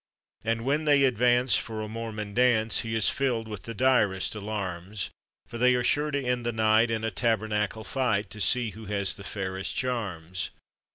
And when they advance for a Mormon dance He is filled with the direst alarms; For they are sure to end the night in a tabernacle fight To see who has the fairest charms.